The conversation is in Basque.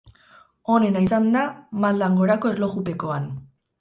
Onena izan da maldan gorako erlojupekoan.